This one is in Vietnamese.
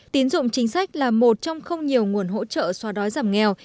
tín dụng chính sách là một trong không nhiều nguồn hỗ trợ xóa đói giảm nghèo